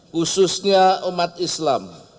khususnya umat islam